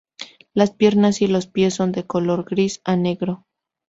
Las piernas y los pies son de color gris a negro.